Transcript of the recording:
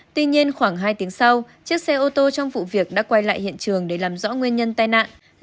tuy nhiên khoảng hai tiếng sau chiếc xe ô tô trong vụ việc đã quay lại hiện trường để làm rõ nguyên nhân tai nạn